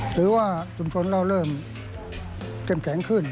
หรือว่าชุมชนเราเริ่มเข้มแข็งขึ้น